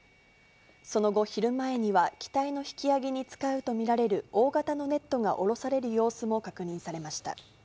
その後、昼前には、機体の引き揚げに使うと見られる大型のネットが降ろされる様子も確認されました。